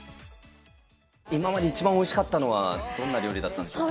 今まで一番おいしかったのは、どんな料理だったんですか？